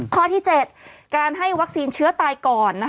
ข้อที่๗การให้วัคซีนเชื้อตายก่อน